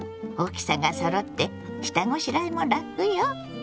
大きさがそろって下ごしらえも楽よ。